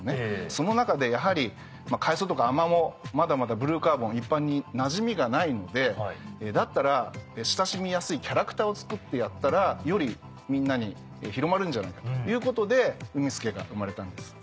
その中でやはり海草とかアマモまだまだブルーカーボン一般になじみがないのでだったら親しみやすいキャラクターを作ってやったらよりみんなに広まるんじゃないかということでうみスケが生まれたんです。